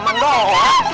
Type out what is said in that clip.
lepasin anak gue lepasin